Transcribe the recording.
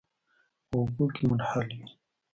په اوبو کې منحل وي.